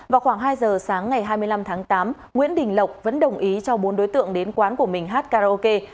vào khoảng hai giờ sáng ngày hai mươi năm tháng tám nguyễn đình lộc vẫn đồng ý cho bốn đối tượng đến quán của mình hát karaoke